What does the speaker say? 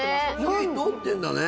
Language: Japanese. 火通ってんだね・